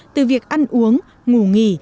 từ việc ăn uống ngủ nghỉ